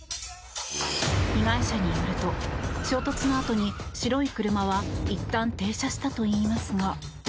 被害者によると、衝突のあとに白い車はいったん停車したといいますが。